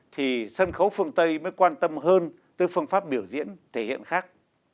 thì sân khấu phương tây mới quan tâm hơn tới phương pháp biểu diễn thể hiện khác